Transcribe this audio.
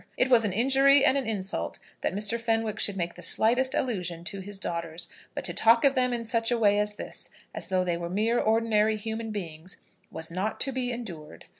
It was an injury and an insult that Mr. Fenwick should make the slightest allusion to his daughters; but to talk of them in such a way as this, as though they were mere ordinary human beings, was not to be endured!